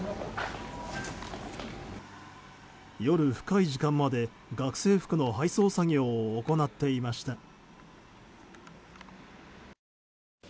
夜深い時間まで学生服の配送作業を行っていました。